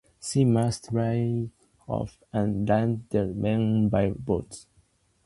She must lie off and land the men by boats.